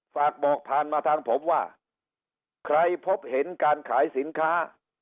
ฝากบอกผ่านมาทางผมว่าใครพบเห็นการขายสินค้า